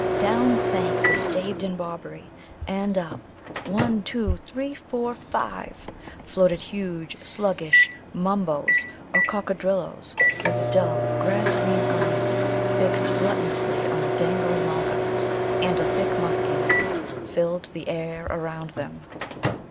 Down sank the staved in Bobberie, and up one, two, three, four, five floated huge, sluggish Mumboes or Coccadrilloes, with dull, grass green eyes fixed gluttonously on the dangling Mulgars. And a thick muskiness filled the air around them.